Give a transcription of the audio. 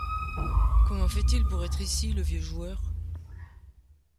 Comment fait-il pour être ici, le vieux joueur ?